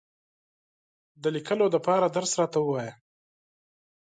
د لیکلو دپاره درس راته ووایه !